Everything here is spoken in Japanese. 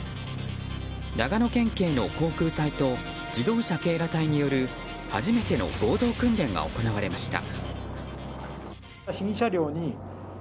長野県警の航空隊と自動車警ら隊による初めての合同訓練が行われました。